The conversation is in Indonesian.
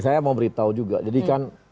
saya mau beritahu juga jadi kan